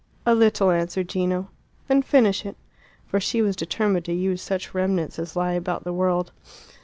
"A little," answered Gino. "Then finish it." For she was determined to use such remnants as lie about the world.